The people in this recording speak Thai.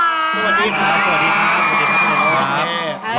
สวัสดีครับสวัสดีครับสวัสดีครับสวัสดี